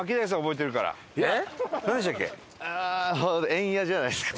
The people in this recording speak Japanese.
えんやじゃないですか？